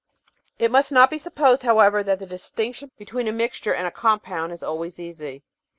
It must not be supposed, however, that the distinction be tween a mixture and a compound is always easy.